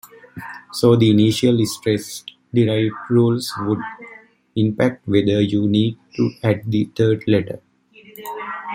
So the initial-stress-derived rule would impact whether you need to add the third letter.